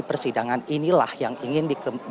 persidangan inilah yang ingin